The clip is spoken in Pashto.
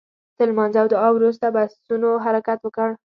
تر لمانځه او دعا وروسته بسونو حرکت وکړ.